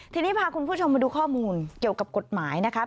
ทีนี้พาคุณผู้ชมมาดูข้อมูลเกี่ยวกับกฎหมายนะคะ